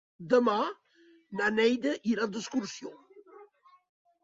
Demà na Neida irà d'excursió.